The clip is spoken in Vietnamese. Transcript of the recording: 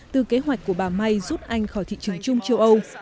từ kế hoạch của bà may rút anh khỏi thị trường chung châu âu